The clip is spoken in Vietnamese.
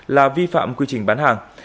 là vi phạm quy trình bán hàng